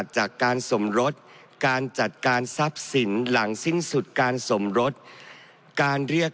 ด้วยแก้ไขเพิ่มเติม